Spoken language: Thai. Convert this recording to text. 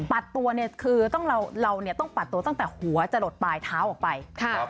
ปัดตัวเนี่ยคือต้องเราเราเนี่ยต้องปัดตัวตั้งแต่หัวจะหลดปลายเท้าออกไปครับ